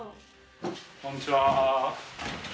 こんにちは。